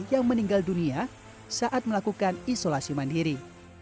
yang meninggal dunia saat melakukan isolasi mandiri